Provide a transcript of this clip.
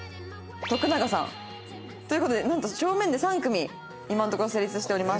徳永さん。という事でなんと正面で３組今のところ成立しております。